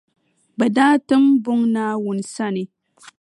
Bɛ daa tim buŋa Naawuni sani.